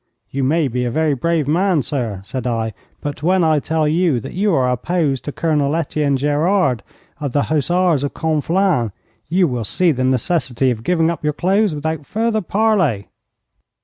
'You may be a very brave man, sir,' said I, 'but when I tell you that you are opposed to Colonel Etienne Gerard, of the Hussars of Conflans, you will see the necessity of giving up your clothes without further parley.'